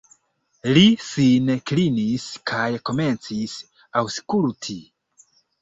Li sin klinis kaj komencis aŭskulti.